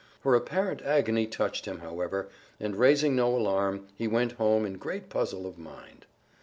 Her apparent agony touched him, however, and, raising no alarm, he went home in great puzzle of mind.